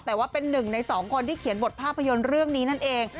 แต่ว่าเป็นหนึ่งในสองคนที่เขียนบทภาพยนตร์เรื่องนี้นั่นเอง